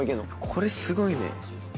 これすごいね。